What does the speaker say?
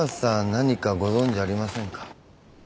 何かご存じありませんか？